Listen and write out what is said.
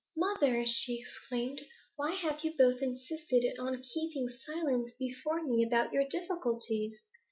'Mother!' she exclaimed, 'why have you both insisted on keeping silence before me about your difficulties?